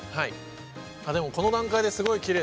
でもこの段階ですごいきれいですね。